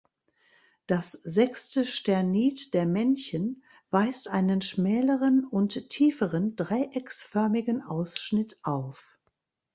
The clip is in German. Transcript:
Das sechste Sternit der Männchen weist einen schmäleren und tieferen dreiecksförmigen Ausschnitt auf.